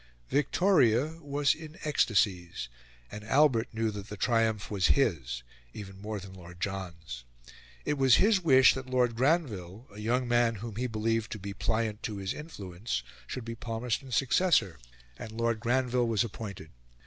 Victoria was in ecstasies; and Albert knew that the triumph was his even more than Lord John's. It was his wish that Lord Granville, a young man whom he believed to be pliant to his influence, should be Palmerston's successor; and Lord Granville was appointed.